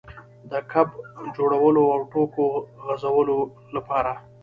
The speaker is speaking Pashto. د ګپ جوړولو او ټوکو غځولو لپاره.